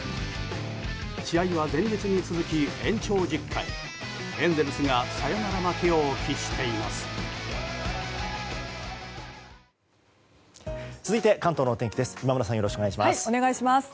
試合は前日に続き延長１０回エンゼルスがサヨナラ負けを喫しています。